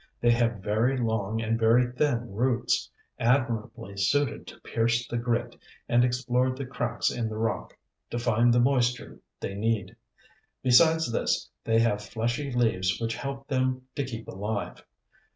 They have very long and very thin roots, admirably suited to pierce the grit, and explore the cracks in the rock, to find the moisture they need. Besides this, they have fleshy leaves which help them to keep alive.